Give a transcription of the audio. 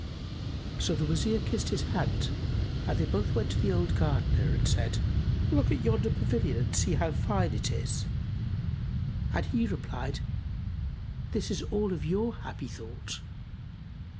So the Wazir kissed his hand and they both went to the old Gardener and said, "Look at yonder pavilion and see how fine it is!" And he replied, "This is all of your happy thought."